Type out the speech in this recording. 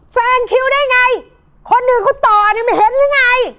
แซงคิวได้ไงคนอื่นเค้าต่อมันเห็นรึไง